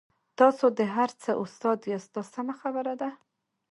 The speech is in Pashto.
تاسو د هر څه استاد یاست دا سمه خبره ده.